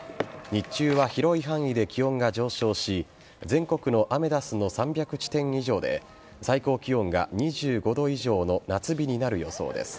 日中は広い範囲で気温が上昇し全国のアメダスの３００地点以上で最高気温が２５度以上の夏日になる予想です。